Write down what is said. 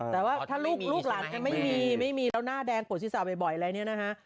แต่ว่าถ้าลูกหลักไม่มีแล้วหน้าแดงปวดศีรษะบ่อยอะไรแบบนี้นะฮะ